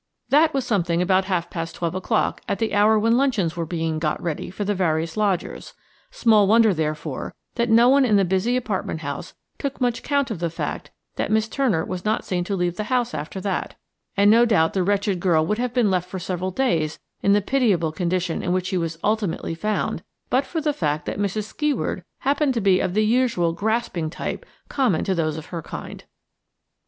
That was somewhere about half past twelve o'clock, at the hour when luncheons were being got ready for the various lodgers; small wonder, therefore, that no one in the busy apartment house took much count of the fact that Miss Turner was not seen to leave the house after that, and no doubt the wretched girl would have been left for several days in the pitiable condition in which she was ultimately found but for the fact that Mrs. Skeward happened to be of the usual grasping type common to those of her kind.